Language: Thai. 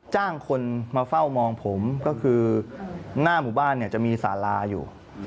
จ้างคนมาเฝ้ามองผมก็คือหน้าหมู่บ้านเนี่ยจะมีสาราอยู่